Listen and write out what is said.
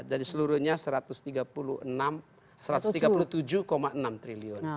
jadi seluruhnya satu ratus tiga puluh tujuh enam triliun